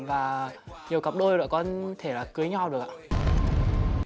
và nhiều cặp đôi lại có thể là cưới nhau được ạ